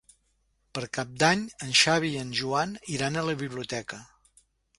Per Cap d'Any en Xavi i en Joan iran a la biblioteca.